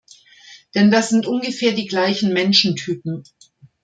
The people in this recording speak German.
Denn das sind ungefähr die gleichen Menschentypen.